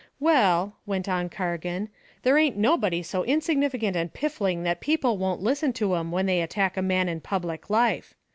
"Well," went on Cargan, "there ain't nobody so insignificant and piffling that people won't listen to 'em when they attack a man in public life.